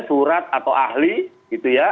surat atau ahli gitu ya